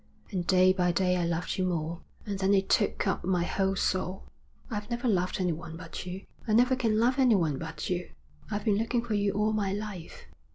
And day by day I loved you more, and then it took up my whole soul. I've never loved anyone but you. I never can love anyone but you. I've been looking for you all my life.'